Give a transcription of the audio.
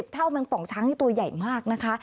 เท่าแมงป่องช้างนี่ตัวใหญ่มากนะคะ